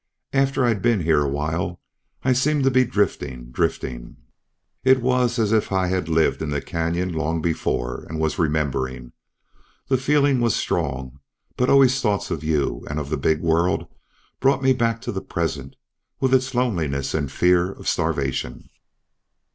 After I'd been here a while, I seemed to be drifting, drifting. It was as if I had lived in the canyon long before, and was remembering. The feeling was strong, but always thoughts of you, and of the big world, brought me back to the present with its loneliness and fear of starvation.